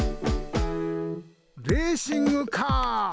レーシングカー！